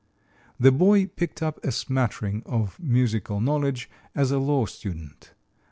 The boy picked up a smattering of musical knowledge as a law student.